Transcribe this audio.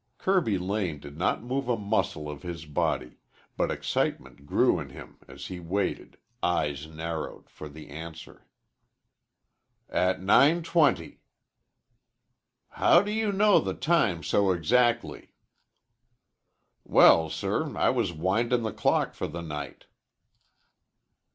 Kirby Lane did not move a muscle of his body, but excitement grew in him, as he waited, eyes narrowed, for the answer. "At 9.20." "How do you know the time so exactly?" "Well, sir, I was windin' the clock for the night."